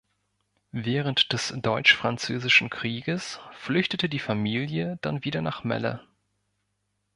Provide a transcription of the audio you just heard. Während des Deutsch-Französischen Krieges flüchtete die Familie dann wieder nach Melle.